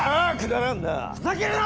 ふざけるな！